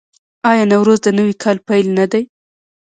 آیا نوروز د نوي کال پیل نه دی؟